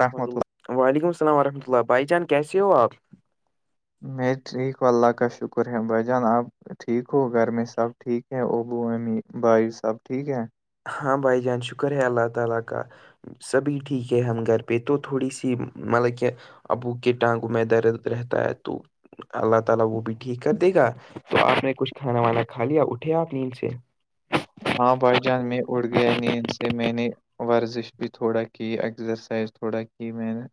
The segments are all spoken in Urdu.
رحمت وعلیکم السلام ورحمۃ اللہ بھائی جان کیسے ہو آپ میں ٹھیک ہ اللہ کا شکر ہ بھائی جان آپ ٹھیک ہو گھر میں سب ٹھیک ہے ا بو امی بھائی سب ٹھیک ہے ہاں بھائی جان شکر ہے اللہ تعالی کا سبھی ٹھیک ہی ہم گھر پہ تو تھوڑی سی مطلب کہ ابو کے ٹانگوں میں درد رہتا ہے تو اللہ تعالی وہ بھی ٹھیک کر دے گا تو آپ نے کچھ کھانا وانا کھا لیا اٹھے آپ نیند سے ہاں بھائی جان میں اٹھ گیا نیند سے میں نے ورزش بھی تھوڑا کی ایگزرسائز تھوڑا کی میں نے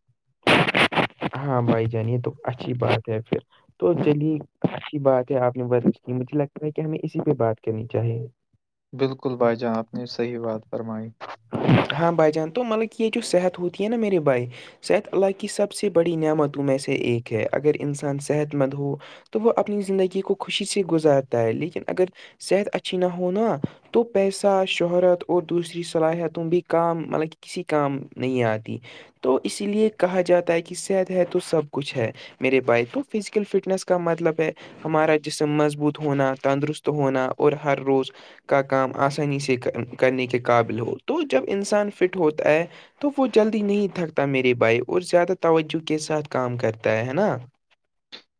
ہاں بھائی جان یہ تو اچھی بات ہے پھر تو چلیے اچھی بات ہے آپ نے رش کی مجھے لگتا ہے کہ ہمیں اسی پہ بات کرنی چاہیے بالکل بھائی جان اپ نے صحیح بات فرمائی ہاں بائی جان تو مطلب کہ یہ جو صحت ہوتی ہے نا میری بھائی صحت اللہ کی سب سے بڑی نعمتوں میں سے ایک ہے اگر انسان صحت مند ہو تو وہ اپنی زندگی کو خوشی سے گزارتا ہے لیکن اگر صحت اچھی نہ ہونا تو پیسہ شہرت اور دوسری صلاحتوں بھی کام مطلب کسی کام نہیں آتی تو اسی لیے کہا جاتا ہے کہ صحت ہے تو سب کچھ ہے میرے بھائ تو فزیکل فٹنس کا مطلب ہے ہمارا جسم مضبوط ہونا تندرست ہونا اور ہر روز کا کام آسانی سے کرنے کے قابل ہو تو جب انسان فٹ ہوتا ہے تو وہ جلدی نہیں تھکتا میرے بھائی اور زیادہ توجہ کے ساتھ کام کرتا ہے ہے نا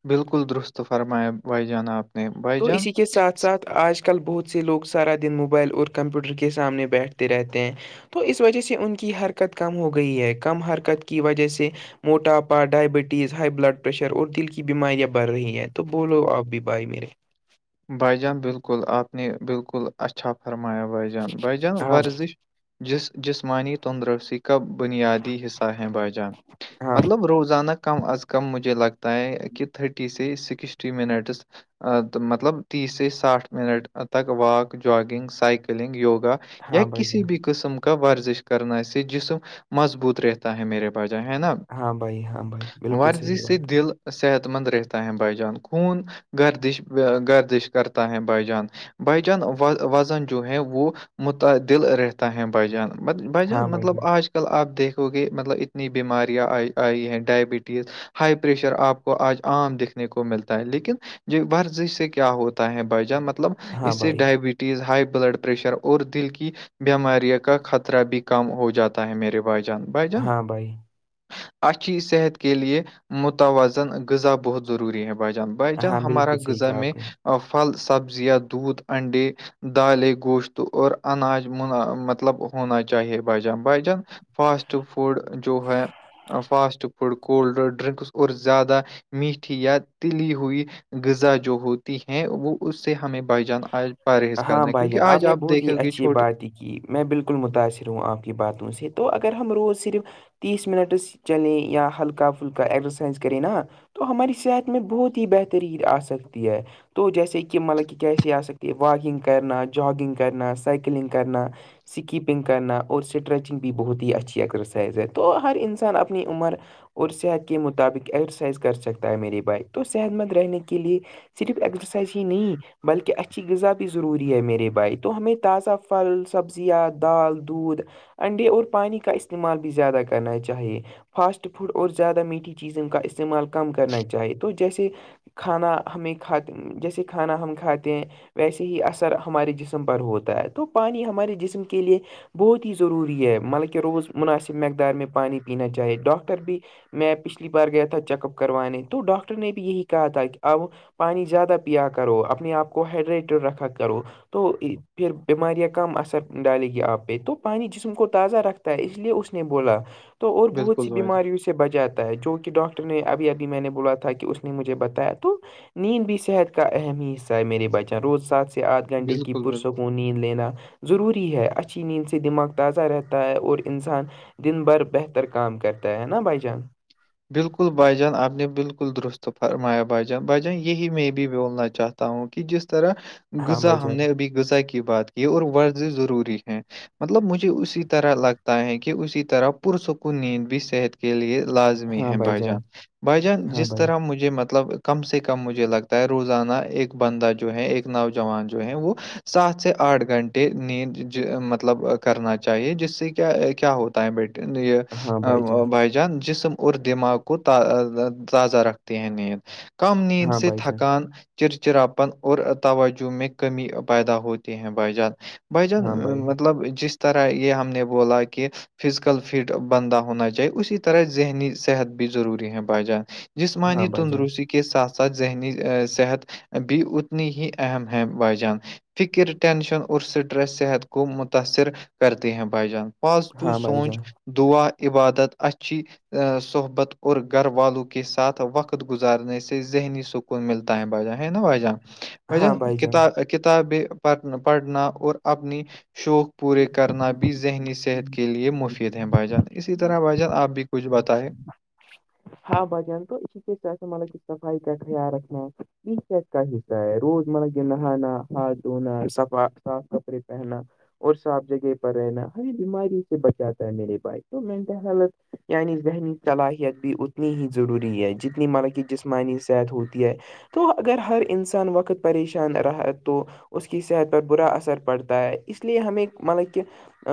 بالکل درست فرمایا بھائی جان آپ نے بھائی تو جان اسی کے ساتھ ساتھ آج کل بہت سے لوگ سارا دن موبائل اور کمپیوٹر کے سامنے بیٹھتے رہتے ہیں تو اس وجہ سے ان کی حرکت کم ہو گئی ہے کم حرکت کی وجہ سے موٹاپا ڈائبٹیز ہائی بلڈ پریشر اور دل کی بیماریاں بڑھ رہی ہیں تو بولو آپ بھی بھائی میرے اچھا [inaudible] بھائی جان بالکل آپ نے بالکل اچھا فرمایا بھائی جان بھائی جان ہاں بھائی، ورزش جس جسمانی تندرستی کا بنیادی حصہ ہیں بائی جان ہاں بھائی مطلب روزانہ کم از کم مجھے لگتا ہے کہ تھرٹی سے سکسٹی منٹس مط مطلب تیس سے ساٹھ منٹ تک واک جاگنگ سائیکلنگ یوگا یا ہاں بھائی کسی جان بھی قسم کا کا ورزش کرنا اسے جسم مضبوط رہتا ہے میرے بھائی جان ہے نا ہاں بھائی ہاں بھائی بالکل ورزش صحیح سے بات ہے دل صحت مند رہتا ہے بھائی جان خون گردش گردش کرتا ہے بھائی جان بھائی جان وزن جو ہے وہ متدل رہتا ہے بھائی جان بھائی جان مطلب اج آ کل آپ دیکھو گے مطلب اتنی بیماریاں آئی آئی ہیں ڈائبٹیز ہائی پریشر آپ کو آج عام دیکھنے کو ملتا ہے لیکن یہ ورزش سے کہ کیا ہوتا ہے بھائی جان مطلب ہاں اس سے بھائی ڈائبٹیز ہأے بلڈ پریشر اور دل کی بیماریوں کا خطرہ بھی کم ہو جاتا ہے میرے بھائی جان بھائی جان ہاں بھائی اچھی صحت کے لیے متوازن غذا بہت ضروری ہے بھائی جان بھائی جان ہاں ہمارا بالکل صحیح غذا کہا میں آپ نے پھل سبزیاں دودھ انڈے دالے گوشت اور اناج منا مطلب ہونا چاہیے بجان بجان فاسٹ فوڈ جو ہے فاسٹ فوڈ کوولڈ ڈرنکس اور زیادہ میٹھی یا تلی ہوئی غذا جو ہو ہیں وہ اس سے ہمیں بائی جان آج پرہز کرنا ہے کیونکہ آج آپ دیکھیں گے چھٹی کہ میں بالکل متاثر ہوں آپ کی باتوں سے تو اگر ہم روز صرف تیس منٹس چلے یا ہلکا پھلکا اگزرسائز کرے نا تو ہماری صحت میں بہت ہی بہتری آ سکتی ہے تو جیسے کہ مطلب کہ کی س یہ سک یہ واکنگ کرنا جاگنگ کرنا سائیکلنگ کرنا سکیپنگ کرنا اور اسٹریچنگ بھی بہت ہی اچھی ایکسرسائز ہے تو ہر انسان اپنی عمر اور صحت کے مطابق ایکسرسائز کر سکتا ہے میری بائک تو صحت مند رہنے کے لیے صرف ایکسرسائز ہی نہیں بلکہ اچھی غذا بھی ضروری ہے میرے بھائی تو ہمیں تازہ پھل سبزیاں دال دودھ انڈے اور پانی کا استعمال بھی زیادہ کرنا چاہیے فاسٹ فوڈ اور زیادہ میٹھی چیزوں کا استعمال کم کرنا چاہیے تو جیسے کھانا ہمیں کھاتے جیسے کھانا ہم ک کھاتے ہیں ویسے ہی اثر ہمارے جسم پر ہوتا ہے تو پانی ہمارے جسم کے لیے بہت ہیی ضروری ہے مطلبکہ روز مناسب مقدار میں پانی پینا چاہے ڈاکٹر بھی میں پچھلی بار گیا تھا چیک اپ کروانے تو ڈاکٹر نے بھی یہی کہا تھا کہ اب پانی زیادہ پیا کرو اپنے آپ کو ہائڈریٹڈ رکھا کرو تو پھر بیماریاں کم اثر ڈالے گی آپ پہ تو پانی جسم کو تازہ رکھتے اس لیے اس نے بولا تو اور بہت بالکل سی بھائی جان بیماریوں سے بجاتا ہے جو کہ ڈاکٹر نے ابھی ابھی میں نے بولا تھا کہ اس نے مجھے بتایا تو نیند بھی صحت کا اہم حص میرے بچن روز سات سے آدھ گھنٹے کی بالکل بالکل پرسوں نیند لینا ضروری ہے اچھی نیند سے دماغ تازہ رہتا ہے اور انسان دن بھر بہتر کام کرتا ہے نا بائی جان بالکل بجان اپنے بالکل درست فرمایا بجان بجن یہی می بی بیول ن چھ ہوں کہ جس طرح ہاں غذا بھائی ہم جان نے ابھی غذا کی بات کی اور ورز ضروری ہے مطلب مجھے اسی طرح لگتا ہے کہ اسی طرح پرسکون نیند بھی صحت کے لئے لاز ہیں بھائی جان بھائی جان ہاں جس بھائی طرح مجھے مطلب کم سے کم مجھے لگتا ہے روزانہ ایک بندہ جو ہے ایک نوجوان جو ہیں وہ سات سے آٹھ گھنٹے نیند مطلب کرنا چاہیے جس سے کیا کیا ہوتا بٹ یہ ہاں بھائی جان بائی جان جس اور دماغ کو تازہ رکھتے ہیں نیند کم نیند ہاں سے بھائی جان تھکان چرچراپن اور توجہ میں کمی پیدا ہوتی ہیں بائی جان بائی جان ہاں بھائی مطلب جس طرح یہ ہم نے بولا کہ فزیکل فٹ بندہ ہونا چاہیے اسی طرح ذہنی صحت بھی ضروری ہے بائی جان ہاں جسمانی بھائی جان تندرست کی کے ساتھ ساتھ ذہنی صحت بھی اتنی ہی اہم ہے بھائی جان فکر ٹینشن اور سٹریس صحت کو متاثر کرتے ہیں بھائی جان پاازٹیو ہاں بھائی سونچ جان دعا عبادت اچھی صحبت اور گھر والوں کے ساتھ وقت گزارنے سے ذہنی سک ملتا ہے بھ جاں ہے نا بھائی جاں ن ہاں بھائی جان کتا کتابیں پھ پڑھنا اور اپنی شوق پورے کرنا بھی ذہنی صحت کے لیے مفید ہے بھائی جان اسی طرح بائی جان آپ بھی کچھ بتائے ہاں بھ جان تو اسی ط سےا م صفائی کا خیال رکھنا ہے [inaudible] کا حصہ ہے روز مرہ کے نہانا ہاتھ دھونا صفا صاف کپڑے پہننا اور صاف جگہ پر رہنا ہر بیماری سے بچاتا ہے میرے بھائ تو مینٹل ہیلتھ یعنی ذہنی صلاحیت بھی اتنی ہی ضروری ہے جتنی مطلب جسمانی صحت ہوتی ہے تو اگر ہر انسان وقت پریشان رہا تو اس کی صحت پر برا اثر پڑتا ہے اس لیے ہمیں مطلب کہ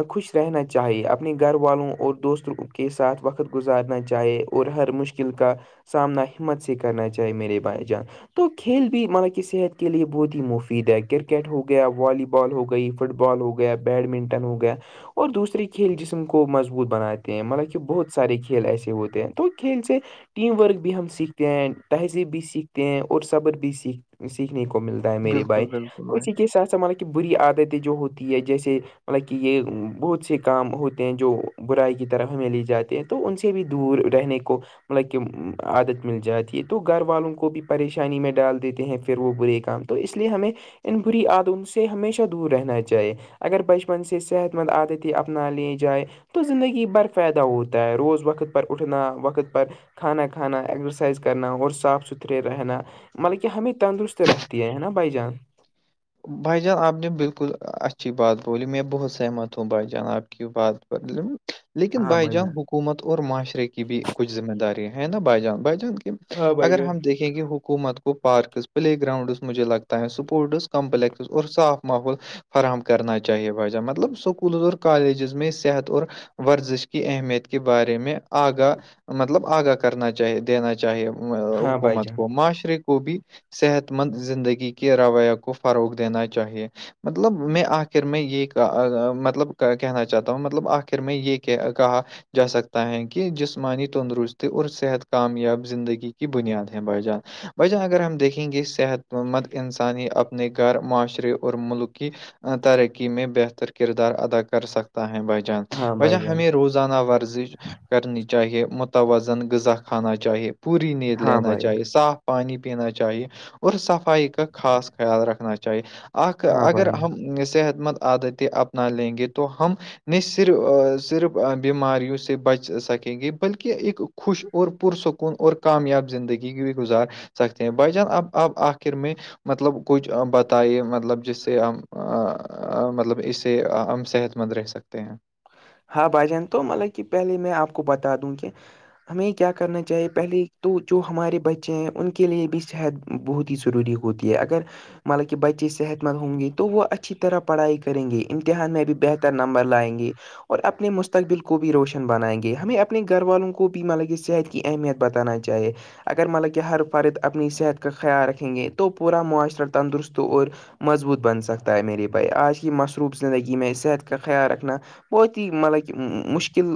خوش رہنا چاہیے اپنے گھر والوں اور دوستوں کے ساتھ وقت گزارنا چاہے اور ہر مشک مشکل کا سامنا ہمت سے کرنا چاہیے میرے بھائی جان تو کھیل بھی مطب کہ صحت کے لیے بہت ہی مفید ہے کرکٹ ہو گیا والی بال ہو گئی فٹ بال بال ہو گیا بیڈمنٹن ہو گیا اور دوسرے کھیل جسم کو مضبوط بناتے ہیں مطلب کہ بہت سارے کھیل ایسے ہوتے ہیں تو کھیل سے ٹیم ورک بھی ہم سیکھتے ہیں تہذیب بھی سیکھتے ہیں اور صبر بھی سیکھ سیکھنے کو ملتا ہے میرے بالکل بھائی بالکل بھائی اسی کے ساتھ ساتھ مطلب کہ بری عادتیں جو ہوتی ہے جیسے مطلب کہ یہ بہت سے کام ہوتے ہیں جو برائی کی طرف ہمیں لے جاتے ہیں تو ان سے بھی دور رہنے کو مطلب کہ عادت مل جاتی ہے تو گھر والوں کو بھی پریشانی میں ڈال دیتے ہیں پھر وہ برے کام تو اس لیے ہمیں ان بری عادوں سے ہمیشہ دور رہنا جائے اگر بچپن سے صحت مند عادتیں اپنا لی جائے تو زندگی بھر فائدہ ہوتا ہے روز وقت پر اٹھنا وقت پر کھانا کھانا ایگزرسائز کرنا اور صاف ستھرے رہنا مطلب کہ ہمیں تندرست رکھتی ہے نا بھائی جان بھائی جان آپ نے بلکل اچھی بات بولی میں بہت سہمت ہوں بھائی جان آپ کی بات پر لیکن بھائی جان حکومت اور معاشرے کی بھی کچھ ذمہ داری ہے نا بھائی جان بھائی جان ہاں بھائی اگر جان ہم دیکھیں گے حکومت کو پارکس پلے گراؤنڈس مجھے لگتا ہے سپورٹس کمپلیکسس اور صاف ماحول فراہم کرنا چاہیے بھائی جان مطلب اسکولز اور کالجز میں صحت اور ورزش کی اہمیت کے بارے میں آگاہ مطلب آگاہ کرنا چاہ دینا چاہیے ہاں بھائی حکومت جان کو معاشرے کو بھی صحت مند زندگی کے رویہ کو فروغ دینا چاہیے مطلب میں آخر میں یہ کہ مطلب کہنا چاہتا ہوں مطلب آخر میں یہ کہا جا سکتا ہے کہ جسمانی تندرستی اور صحت کامیاب زندگی کی بنیاد ہے بھائی جان بھائی جان اگر ہم دیکھیں گے صحت مند انسان ہی اپنے گھر معاشرے اور ملک کی ترقی میں بہتر کردار ادا کر سکتا ہے بھائی جان ہاں بھایی جان بھائی ہمیں روز زانا ورزش کرنی چاہیے متوازن غذا کھانا چاہیے پوری نیند ہاں لینا بھائی چاہیے صاف پانی پینا چاہیے اور صفائی کا خاص خیال رکھنا چاہیے اکھ ہاں اگر بھائی ہم صحت مند عادتیں اپنا لیں گے تو ہم نہیں صرف صرف بیماریوں سے بچ سکیں گے بلکہ ایک خوش اور پرسکون اور کامیاب زندگی بھی گزار سکتے ہیں بھائی جان اب اب آخر میں مطلب کچھ بتائیے مطلب جس سے ہم مطلب اس سے ہم صحت مند رہ سکتے ہیں ہاں بھائی جان تو مطلب کہ پہلے میں آپ کو بتا دوں کہ ہمیں کیا کرنا چاہیے پہلے تو جو ہمارے بچے ہیں ان کے لیے بھی شاہد بہت ہی ضروری ہوتی ہے اگر مطلب کہ بچے صحت مند ہوں گی تو وہ اچھی طرح پڑھائی کریں گے امتحان میں بھی بہتر نمبر لائیں گی اور اپنے مستقبل کو بھی روشن بنائیں گے ہمیں اپنے گھر والوں کو بھی مطلب یہ صحت کی اہمیت بتانا چاہیے اگر مطلب کہ ہر فرد اپنی صحت کا خیال رکھیں گے تو پورا معاشرہ تندرست اور مضبوط بن سکتا ہے میرے بھائی آج کی مصروف زندگی میں صحت کا خیال رکھنا بہت ہی مطلب کہ مشکل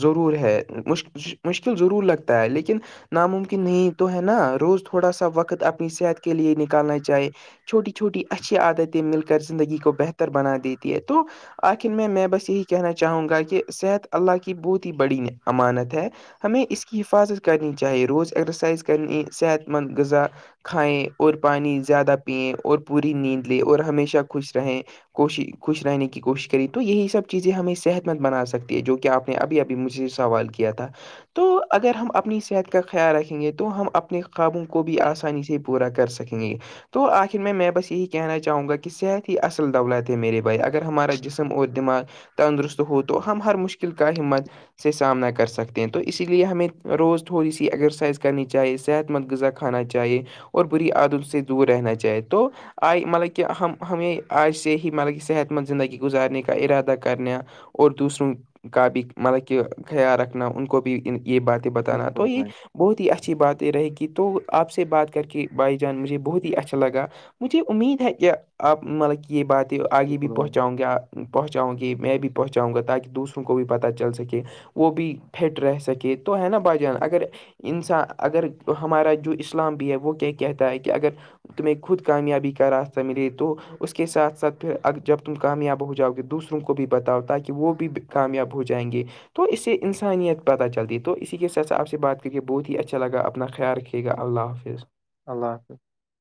ضرور ہے مش مشکل ضرور لگتا ہے لیکن ناممکن نہیں تو ہے نا روز تھوڑا سا وقت اپنی صحت کے لیے نکالنا چاہیے چھوٹی چھوٹی اچھی عادتیں مل کر زندگی کو بہتر بنا دیتی ہے تو آخر میں میں بس یہی کہنا چاہوں گا کہ صحت اللہ کی بہت ہی بڑی امانت ہے ہمیں اس کی حفاظت کرنی چاہیے روز ایگزرسائز کرنی صحت مند غذا کھائےیں اور پانی زیادہ پیے اور پوری نیند لے اور ہمیشہ خوش رہیں کوشش خوش رہنے کی کوشش کری تو یہی سب چیزیں ہمیں صحت مند بنا سکتی ہے جو کہ آپ نے ابھی ابھی مجھے سوال کیا تھا تو اگر ہم اپنی صحت کا خیال رکھیں گے تو ہم اپنے خوابوں کو بھی آسانی سے پورا کر سکیں گے تو آخر میں میں بس یہی کہنا چاہوں گا کہ صحت ہی اصل دولت ہے میرے بھائی اگر ہمارا جسم اور دماغ تندرست ہو تو ہم ہر مشکل کا ہمت سے سامنا کر سکتے ہیں تو اسی لیے ہمیں روز تھوڑی سی ایگسرائز کرنی چاہیے صحت مند غذا کھانا چاہیے اور بری عادت سے دور رہنا چاہیے تو آئے مطلب کہ ہمیں آج سے ہی مطلب کہ صحت مند زندگی گزارنے کا ارادہ کرنے اور دوسروں کا بھی مطلب کہ خیال رکھنا ان کو بھی یہ بات تہ بتانا تو بالکل یہ بھائی بہت ہی اچھی بات رہے گی تو آپ سے بات کر کے بھائی جان مجھے بہت ہی اچھا لگا مجھے امید ہے کہ آپ مطلب کہ یہ باتیں آگے بھی بالکل بھائی پہنچاؤں گے پہنچاؤں کہ میں بھی پہنچاؤں گا تاکہ دوسروں کو بھی پتہ چل سکے وہ بھی فٹ رہ سکے تو ہے نا بھایی جان اگر انسان اگر ہمارا جو اسلام بھی ہے وہ کیا کہتا ہے کہ اگر تمہیں خود کامیابی کا راستہ ملے تو اس کے ساتھ ساتھ پھر جب تم کامیاب ہو جاؤ گے دوسر کو بھی بتاؤ تاکہ وہ بھی کامیاب ہو جائیں گے تو اس سے انسانیت پتا چلتی تو اسی کے ساتھ آپ سے بات کر کے بہت ہی اچھا لگا اپنا خیال کیا ٹھیک ہے اللہ حافظ اللہ حافظ